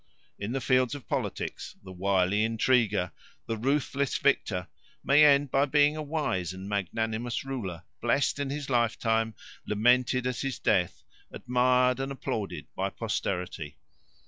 In the field of politics the wily intriguer, the ruthless victor, may end by being a wise and magnanimous ruler, blessed in his lifetime, lamented at his death, admired and applauded by posterity.